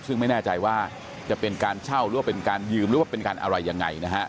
ซึ่งไม่แน่ใจว่าจะเป็นการเช่าหรือว่าเป็นการยืมหรือว่าเป็นการอะไรยังไงนะฮะ